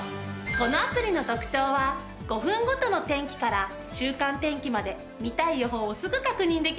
このアプリの特長は５分ごとの天気から週間天気まで見たい予報をすぐ確認できる事なの。